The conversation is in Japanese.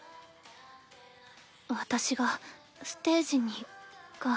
私がステージにか。